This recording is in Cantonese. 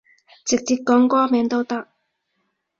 直接講歌名都得